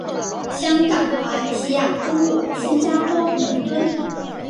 香港马来西亚中国新加坡伦敦